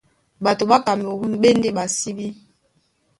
Ɓatoi ɓá Kamerûn ɓá e ndé ɓásíbí.